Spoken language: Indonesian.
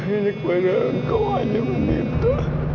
ini gue gak engkau aja meminta